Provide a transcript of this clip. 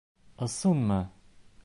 — Ысынмы?